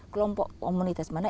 kelompok komunitas mana